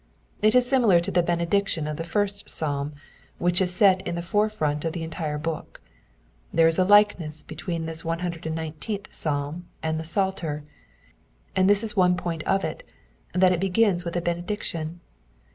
It is similar to the benediction of the first psalm, which is set in the forefront of the entire book : there is a likeness between this 119th Psalm and the Psalter, and this is one point of it, that it begins with a benediction.